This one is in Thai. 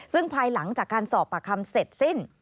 ซึ่งภายหลังจากการสอบปากคำเสร็จสิ้น